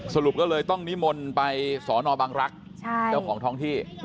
สรุปก็เลยต้องนิมนต์ไปสอนอบังรักษ์เจ้าของท้องที่